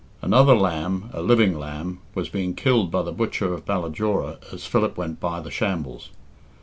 Another lamb a living lamb was being killed by the butcher of Ballajora as Philip went by the shambles.